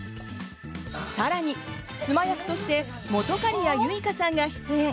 更に、妻役として本仮屋ユイカさんが出演。